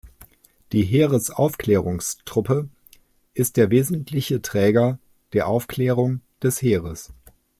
Die Heeresaufklärungstruppe ist der wesentliche Träger der Aufklärung des Heeres.